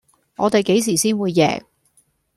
我地幾時先會贏